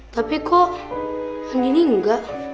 tapi kok andi ini enggak